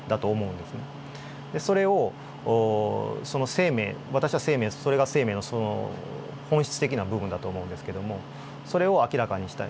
でそれをその生命私は生命それが生命のその本質的な部分だと思うんですけどもそれを明らかにしたい。